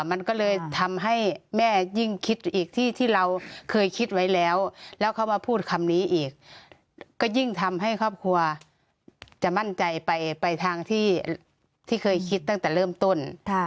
มันก็เลยทำให้แม่ยิ่งคิดอีกที่เราเคยคิดไว้แล้วแล้วเขามาพูดคำนี้อีกก็ยิ่งทำให้ครอบครัวจะมั่นใจไปทางที่เคยคิดตั้งแต่เริ่มต้น